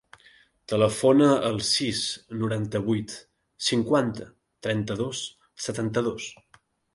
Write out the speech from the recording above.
Telefona al sis, noranta-vuit, cinquanta, trenta-dos, setanta-dos.